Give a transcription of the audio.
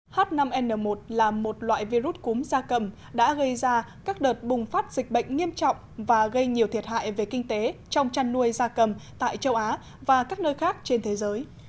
h năm n một là một loại virus cúm da cầm đã gây ra các đợt bùng phát dịch bệnh nghiêm trọng và gây nhiều thiệt hại về kinh tế trong chăn nuôi da cầm tại châu á và các nơi khác trên thế giới